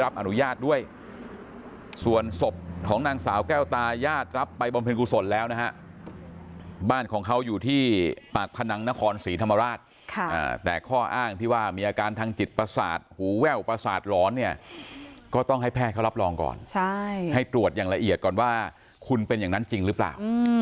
อนุญาตด้วยส่วนศพของนางสาวแก้วตายาดรับไปบำเพ็ญกุศลแล้วนะฮะบ้านของเขาอยู่ที่ปากพนังนครศรีธรรมราชแต่ข้ออ้างที่ว่ามีอาการทางจิตประสาทหูแว่วประสาทหลอนเนี่ยก็ต้องให้แพทย์เขารับรองก่อนให้ตรวจอย่างละเอียดก่อนว่าคุณเป็นอย่างนั้นจริงหรือเปล่า